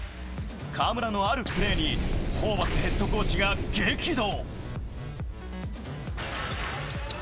河村のあるプレーに、ホーバスヘッドコーチが激怒。